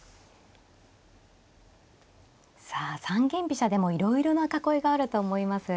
さあ三間飛車でもいろいろな囲いがあると思います。